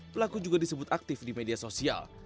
pelaku juga disebut aktif di media sosial